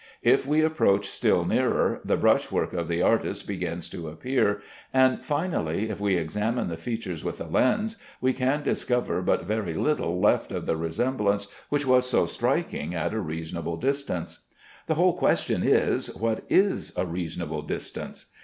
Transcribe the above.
If we approach still nearer, the brush work of the artist begins to appear, and finally, if we examine the features with a lens, we can discover but very little left of the resemblance which was so striking at a reasonable distance. The whole question is, What is a reasonable distance?